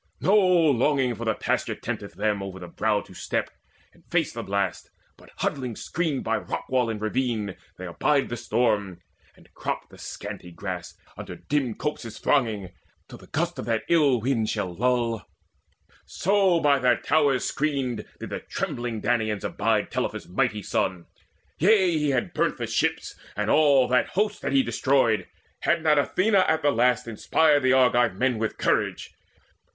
No longing for the pasture tempteth them Over the brow to step, and face the blast, But huddling screened by rock wall and ravine They abide the storm, and crop the scanty grass Under dim copses thronging, till the gusts Of that ill wind shall lull: so, by their towers Screened, did the trembling Danaans abide Telephus' mighty son. Yea, he had burnt The ships, and all that host had he destroyed, Had not Athena at the last inspired The Argive men with courage.